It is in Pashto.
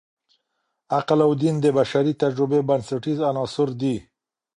عقل او دین د بشري تجربې بنسټیز عناصر دي.